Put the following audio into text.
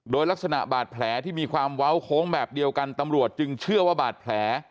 โดยลักษณะบาดแผลที่มีความเว้าโค้งแบบเดียวกันตำรวจจึงเชื่อว่าบาดแผล